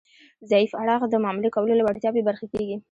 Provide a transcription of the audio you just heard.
ضعیف اړخ د معاملې کولو له وړتیا بې برخې کیږي